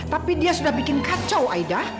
tapi dia sudah bikin kacau aida